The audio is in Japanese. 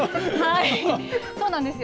そうなんですよ。